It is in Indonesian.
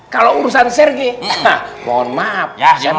kalau urusan serge mohon maaf